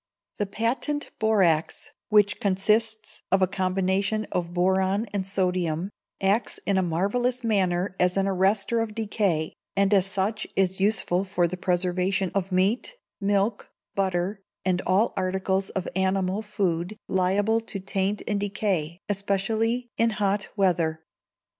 The Patent Borax, which consists of a combination of boron and sodium, acts in a marvellous manner as an arrester of decay, and as such is useful for the preservation of meat, milk, butter, and all articles of animal food liable to taint and decay, especially in hot weather.